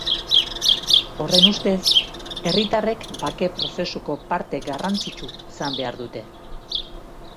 Horren ustez, herritarrek bake prozesuko parte garrantzitsu izan behar dute.